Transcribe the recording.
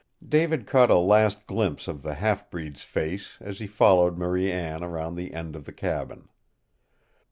David caught a last glimpse of the half breed's face as he followed Marie Anne around the end of the cabin.